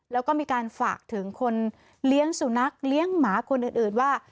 แล้วก็มีการฝากถึงคนเลี้ยงสุนัขเลี้ยงหมาคนอื่นว่า